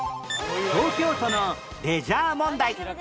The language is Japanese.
東京都のレジャー問題